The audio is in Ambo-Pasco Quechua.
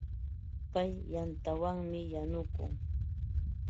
Pay yantawanmi yanukun.